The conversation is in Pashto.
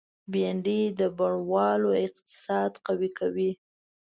بېنډۍ د بڼوال اقتصاد قوي کوي